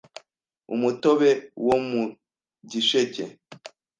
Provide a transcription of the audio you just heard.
Umutobe wo mu gisheke